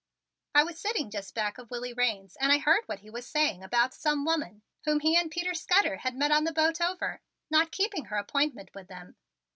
"I was sitting just back of Willie Raines and I heard what he was saying about some woman, whom he and Peter Scudder had met on the boat over, not keeping her appointment with them.